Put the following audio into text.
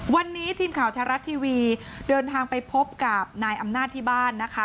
วันนี้ทีมข่าวแท้รัฐทีวีเดินทางไปพบกับนายอำนาจที่บ้านนะคะ